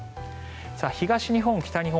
東日本、北日本